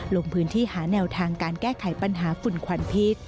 ลงพื้นที่หาแนวทางการแก้ไขปัญหาฝุ่นควันพิษ